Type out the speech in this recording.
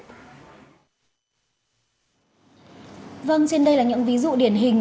vâng trên đây là những ví dụ điển hình